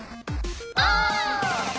お！